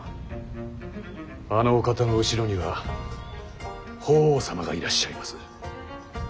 あのお方の後ろには法皇様がいらっしゃいます。